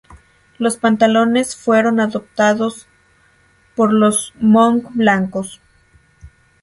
Los pantalones fueron adoptados por los Hmong blancos.